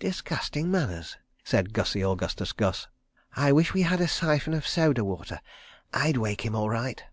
"Disgustin' manners," said Gussie Augustus Gus. "I wish we had a siphon of soda water. I'd wake him all right."